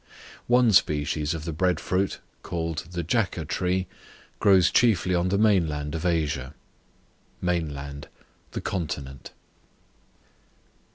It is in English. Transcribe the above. One species of the bread fruit, called the Jaca tree, grows chiefly on the mainland of Asia. Mainland, the continent.